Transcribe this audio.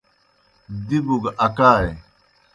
دِبوْ گہ اکائے۔